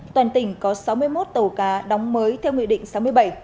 toàn tỉnh có sáu mươi một tàu cá đóng mới theo nghị định sáu mươi bảy